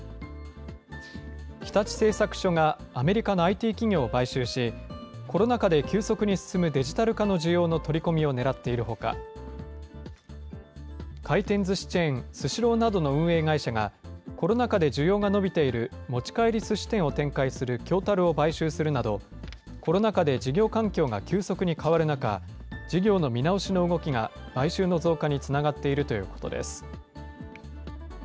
日立製作所がアメリカのＩＴ企業を買収し、コロナ禍で急速に進むデジタル化の需要の取り込みをねらっているほか、回転ずしチェーン、スシローなどの運営会社が、コロナ禍で需要が伸びている持ち帰りすし店を展開する京樽を買収するなど、コロナ禍で事業環境が急速に変わる中、事業の見直しの動きが買収の増加につながっているということです。